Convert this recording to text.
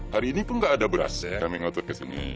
hari ini pun nggak ada beras kami ngotot kesini